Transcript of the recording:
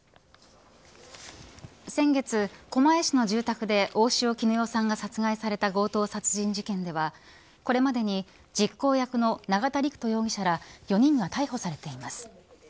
先月、狛江市の住宅で大塩衣与さんが殺害された強盗殺人事件では、これまでに実行役の永田陸人容疑者ら４人が逮捕されています。